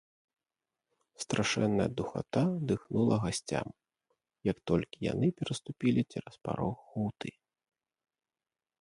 Страшэнная духата дыхнула гасцям, як толькі яны пераступілі цераз парог гуты.